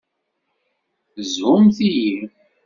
Shumt-iyi.